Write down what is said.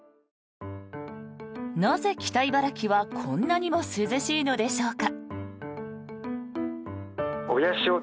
なぜ北茨城はこんなにも涼しいのでしょうか。